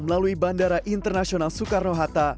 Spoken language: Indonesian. melalui bandara internasional soekarno hatta